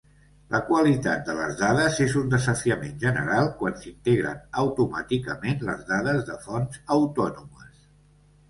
La qualitat de les dades és un desafiament general quan s'integren automàticament les dades de fonts autònomes.